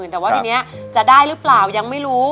แต่ว่าทีนี้จะได้หรือเปล่ายังไม่รู้